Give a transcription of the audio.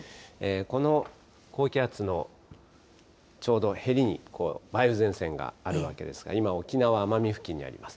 この高気圧のちょうどへりに、梅雨前線があるわけですが、今、沖縄・奄美付近にあります。